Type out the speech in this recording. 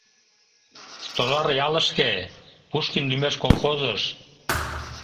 — Стожар ялышке, Пушкин лӱмеш колхозыш...